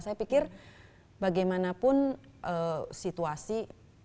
saya pikir bagaimanapun situasi